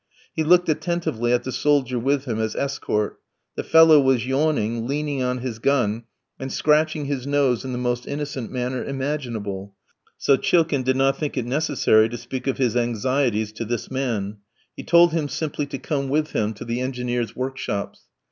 He looked attentively at the soldier with him as escort; the fellow was yawning, leaning on his gun, and scratching his nose in the most innocent manner imaginable; so Chilkin did not think it necessary to speak of his anxieties to this man: he told him simply to come with him to the engineers' workshops.